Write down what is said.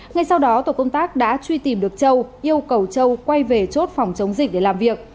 ngay sau đó tổ công tác đã truy tìm được châu yêu cầu châu quay về chốt phòng chống dịch để làm việc